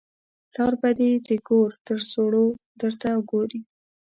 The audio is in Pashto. پلار به دې د ګور تر سوړو درته ګوري.